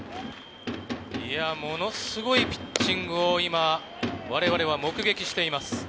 いや、ものすごいピッチングを今、われわれは目撃しています。